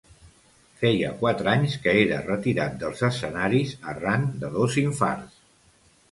Feia quatre anys que era retirat dels escenaris arran de dos infarts.